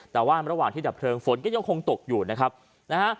แต่ว่าระหว่างที่ดับเพลิงฝนก็ยังคงตกอยู่นะครับนะฮะ